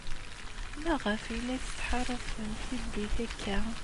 Maɣef ay la tettḥaṛafem tiddit akka?